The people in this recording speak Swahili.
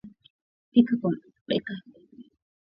Pika kwa dakika arobaini na tano mpaka hamsini